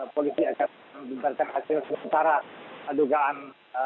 polisi akan menyebabkan hasil secara perdugaan